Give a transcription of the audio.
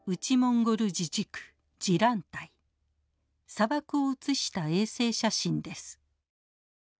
砂漠を写した衛星写真です。